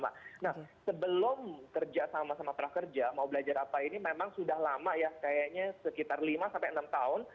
nah sebelum kerja sama sama prakerja mau belajar apa ini memang sudah lama ya kayaknya sekitar lima sampai enam tahun